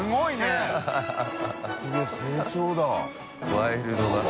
ワイルドだな。